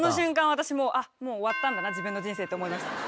私もう「あっもう終わったんだな自分の人生」って思いましたもん。